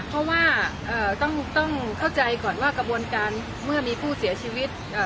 เพราะว่าต้องเข้าใจก่อนว่ากระบวนการเมื่อมีผู้เสียชีวิต